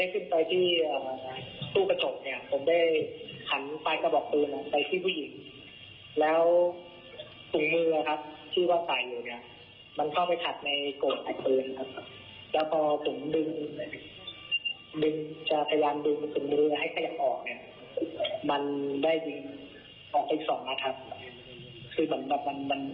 คือแบบก็เป็นติดถุงมือก็ขัดไกลปืนนะครับ